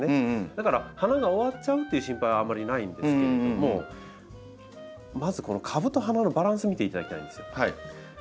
だから花が終わっちゃうっていう心配はあんまりないんですけれどもまずこの株と花のバランス見ていただきたいんですよ。